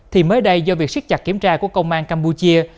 thì mới đây do việc siết chặt kiểm tra của công an campuchia